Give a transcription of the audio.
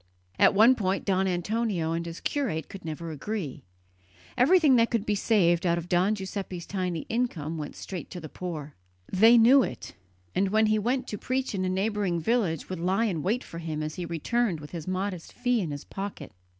On one point Don Antonio and his curate could never agree. Everything that could be saved out of Don Giuseppe's tiny income went straight to the poor. They knew it, and when he went to preach in a neighbouring village would lie in wait for him as he returned with his modest fee in his pocket.